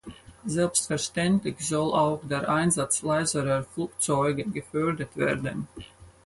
Selbstverständlich soll auch der Einsatz leiserer Flugzeuge gefördert werden.